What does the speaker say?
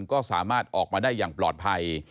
ก็สามารถออกมาได้อย่างปลอดภัย